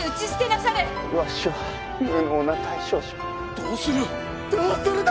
どうするだ！？